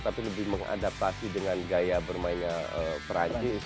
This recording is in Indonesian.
tapi lebih mengadaptasi dengan gaya bermainnya perancis